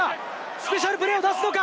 スペシャルプレーを出すのか？